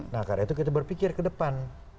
nah karena itu kita berpikir ke depan